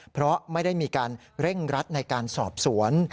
เพราะไม่ได้มีการเร่งรัดในการสอบสวน